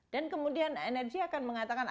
dan kemudian energy akan mengatakan